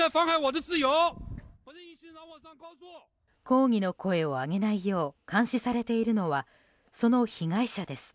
抗議の声を上げないよう監視されているのはその被害者です。